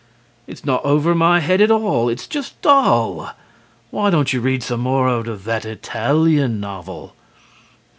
HUSBAND: It's not over my head at all. It's just dull. Why don't you read some more out of that Italian novel?